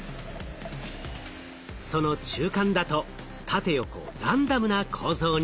その中間だと縦横ランダムな構造に。